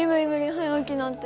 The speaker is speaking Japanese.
早起きなんて。